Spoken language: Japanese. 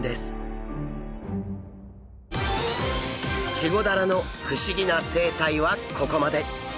チゴダラの不思議な生態はここまで！